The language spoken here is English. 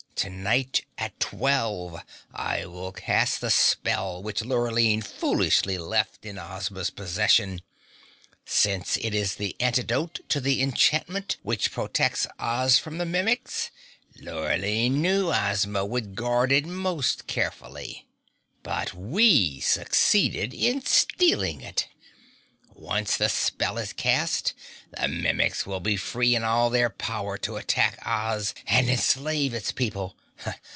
Tonight at twelve, I will cast the spell which Lurline foolishly left in Ozma's possession. Since it is the antidote to the enchantment which protects Oz from the Mimics, Lurline knew Ozma would guard it most carefully. But we succeeded in stealing it. Once the spell is cast, the Mimics will be free in all their power to attack Oz and enslave its people.